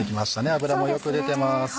脂もよく出てます。